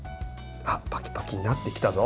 パキパキになってきたぞ。